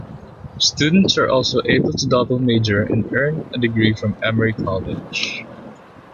Students are also able to double major and earn a degree from Emory College.